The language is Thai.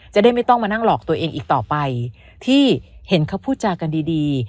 จะได้ไม่ต้องมานั่งหลอกตัวเองอีกต่อไปที่เห็นเขาพูดจากันดีดี